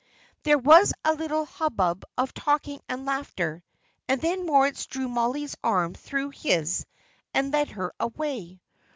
There was a little hubbub of talking and laughter, and then Moritz drew Mollie's arm through his and led her away.